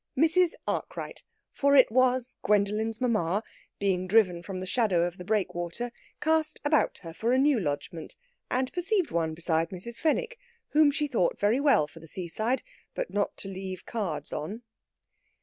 Mrs. Arkwright for it was Gwendolen's mamma being driven from the shadow of the breakwater, cast about her for a new lodgment, and perceived one beside Mrs. Fenwick, whom she thought very well for the seaside, but not to leave cards on.